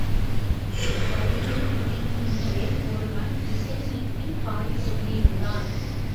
வழியில் நினைக்கிறேன் ஒருவன் இசைமீட்டிப் பாடிக்கொண்டிருந்தான்.